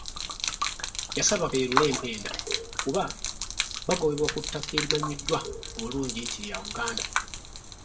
Yasaba beerule empenda kuba bagobebwa ku ttaka erimanyiddwa obulungi nti lya Buganda.